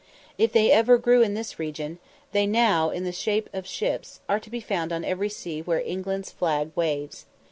If they ever grew in this region, they now, in the shape of ships, are to be found on every sea where England's flag waves.